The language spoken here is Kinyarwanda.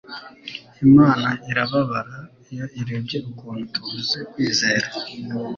Imana irababara iyo irebye ukuntu tubuze kwizera